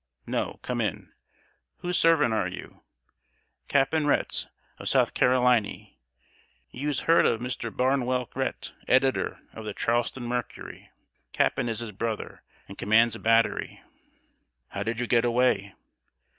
"No, come in. Whose servant are you?" "Cap'n Rhett's, of South Caroliny. You'se heard of Mr. Barnwell Rhett, Editor of The Charleston Mercury; Cap'n is his brother, and commands a battery." "How did you get away?"